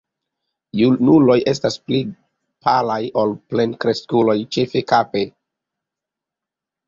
Junuloj estas pli palaj ol plenkreskuloj, ĉefe kape.